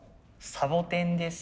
サボテンです。